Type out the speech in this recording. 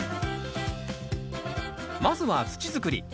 まずは土づくり。